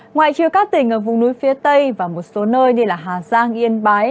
ngoài chiều các tỉnh ở vùng núi phía tây và một số nơi như hà giang yên bái